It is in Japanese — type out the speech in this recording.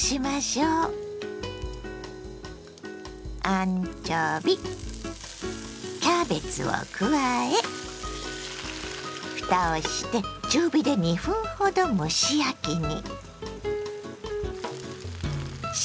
アンチョビキャベツを加えふたをして中火で２分ほど蒸し焼きに。